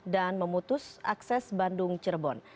dan memutus akses bandung cirebon